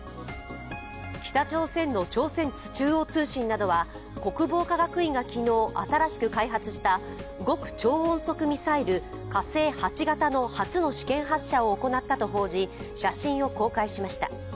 北朝鮮の朝鮮中央通信などは国防科学院が昨日新しく開発した極超音速ミサイル火星８型の初の試験発射を行ったと報じ、写真を公開しました。